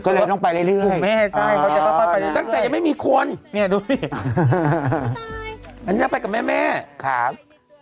ก็เลยต้องไปเรื่อยตั้งแต่ยังไม่มีคนนี่ดูนี่อันนี้ต้องไปกับแม่นะครับ